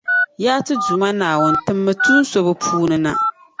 Yaa ti Duuma Naawuni! Timmi tuun’ so bɛ puuni na